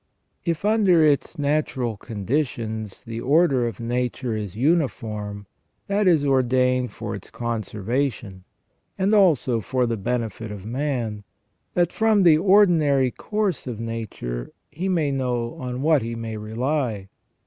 "* If under its natural conditions the order of nature is uniform, that is ordained for its conservation, and also for the benefit of man, that from the ordinary course of nature he may know on what he may rely.